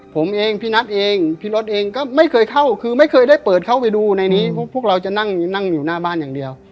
ผมเองพี่นัทเองพี่รถเองก็ไม่เคยเข้าคือไม่เคยได้เปิดเข้าไปดูในนี้พวกเราจะนั่งอยู่หน้าบ้านอย่างเดียว